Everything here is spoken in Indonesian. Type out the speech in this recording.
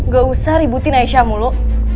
gak usah ributin aisyah muluk